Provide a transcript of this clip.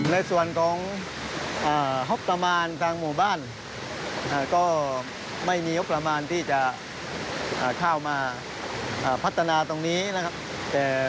ในส่วนของงบประมาณทางหมู่บ้านก็ไม่มีงบประมาณที่จะเข้ามาพัฒนาตรงนี้นะครับ